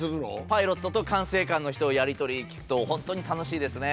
パイロットと管制官の人のやり取りを聞くと本当に楽しいですね。